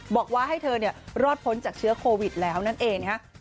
บอกว่าให้เธอรอดพ้นจากเชื้อโควิดแล้วนั่นเองนะฮะ